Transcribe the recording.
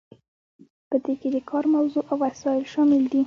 په دې کې د کار موضوع او وسایل شامل دي.